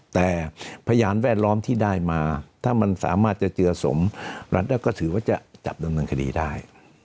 แต่พยานแวดล้อมที่ได้มาถ้ามันสามารถจะเจือสมรัฐแล้วก็ถือว่าจะจับดำเนินคดีได้